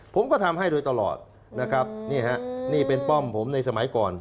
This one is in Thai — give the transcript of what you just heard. ผมก็ทำให้โดยตลอดนะครับนี่ฮะนี่เป็นป้อมผมในสมัยก่อน